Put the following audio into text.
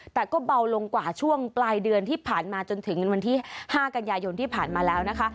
แต่ก็เบาลงกว่าช่วงปลายเดือนที่ผ่านมาจนถึงวันที่๕กันยายนที่ผ่านมาแล้วนะคะ